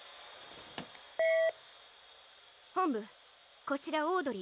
ほんぶこちらオードリー。